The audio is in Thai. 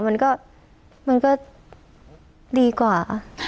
มันก็ดีกว่า